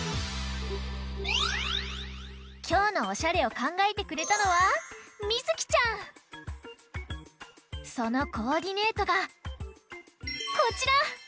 きょうのおしゃれをかんがえてくれたのはそのコーディネートがこちら！